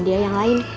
dia yang lain